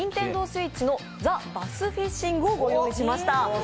ＮｉｎｔｅｎｄｏＳｗｉｔｃｈの「ＴＨＥバスフィッシング」をご用意しました。